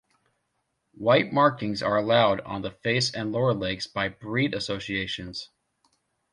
White markings are allowed on the face and lower legs by breed associations.